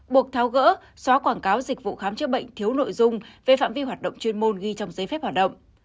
buộc tháo gỡ xóa quảng cáo dịch vụ khám chữa bệnh thiếu nội dung về phạm vi hoạt động chuyên môn ghi trong giấy phép hoạt động